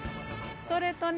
それとね。